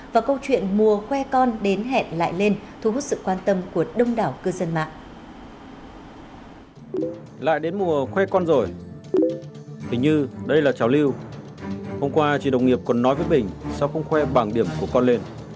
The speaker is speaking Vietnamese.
và câu chuyện mùa khoe con đến hẹn lại lên thu hút sự quan tâm của đông đảo cư dân mạng